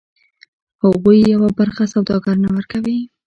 هغوی یوه برخه سوداګر ته ورکوي